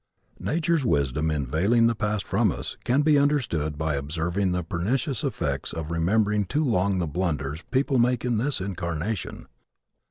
Nature's wisdom in veiling the past from us can be understood by observing the pernicious effects of remembering too long the blunders people make in this incarnation.